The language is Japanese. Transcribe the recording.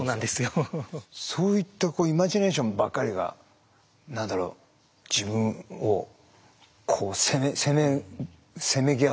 そういったイマジネーションばっかりが何だろう自分をこうせめぎ合うっていうか。